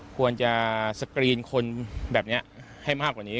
ควรจะสกรีนคนแบบนี้ให้มากกว่านี้